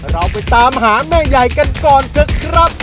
เราไปตามหาแม่ใหญ่กันก่อนเถอะครับ